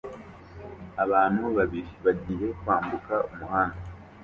Abantu babiri bagiye kwambuka umuhanda